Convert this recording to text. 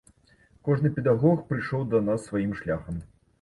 Кожны педагог прыйшоў да нас сваім шляхам.